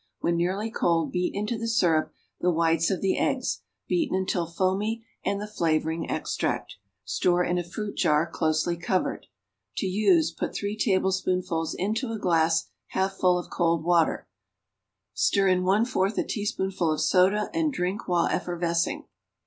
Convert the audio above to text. When nearly cold beat into the syrup the whites of the eggs, beaten until foamy, and the flavoring extract. Store in a fruit jar, closely covered. To use, put three tablespoonfuls into a glass half full of cold water, stir in one fourth a teaspoonful of soda, and drink while effervescing.